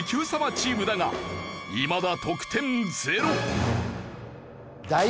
チームだがいまだ得点０。